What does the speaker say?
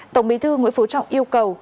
tổng bí thư nguyễn phú trọng yêu cầu